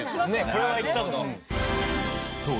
これはいったと思う。